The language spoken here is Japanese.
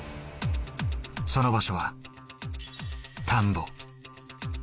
その場所は田んぼ。